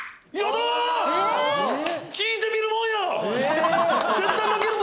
聞いてみるもんや！